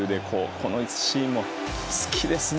このシーンも好きですね。